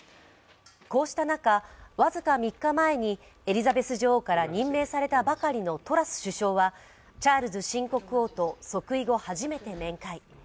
こうした中、僅か３日前にエリザベス女王から任命されたばかりのトラス首相は、チャールズ新国王と即位後、初めて面会。